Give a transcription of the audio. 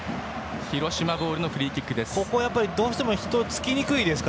広島ボールのフリーキックです。